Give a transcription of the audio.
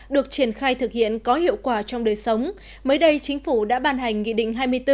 được triển khai thực hiện có hiệu quả trong đời sống mới đây chính phủ đã ban hành nghị định hai mươi bốn